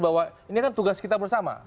bahwa ini kan tugas kita bersama